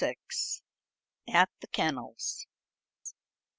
At the Kennels.